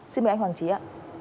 xin mời anh hoàng trí ạ